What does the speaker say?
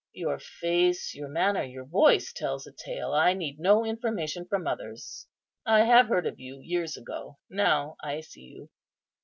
"Your face, your manner, your voice, tells a tale; I need no information from others. I have heard of you years ago; now I see you."